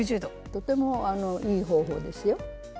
とてもいい方法ですよ。